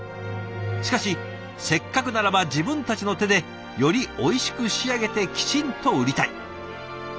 しかしせっかくならば自分たちの手でよりおいしく仕上げてきちんと売りたい。